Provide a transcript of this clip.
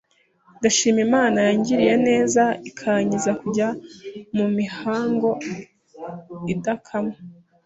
Ndashima Imana yangiriye neza ikankiza kujya mu mihango idakama,